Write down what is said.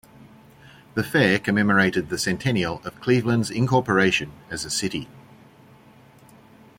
The fair commemorated the centennial of Cleveland's incorporation as a city.